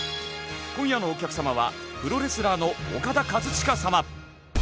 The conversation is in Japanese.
今夜のお客様はプロレスラーのオカダ・カズチカ様。